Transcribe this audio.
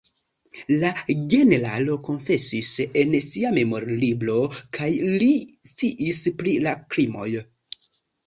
La generalo konfesis en sia memorlibro, ke li sciis pri la krimoj.